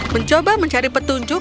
mencoba mencari petunjuk